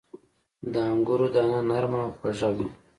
• د انګورو دانه نرمه او خواږه وي.